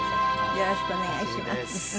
よろしくお願いします。